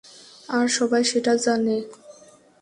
আর সবাই সেটা জানে।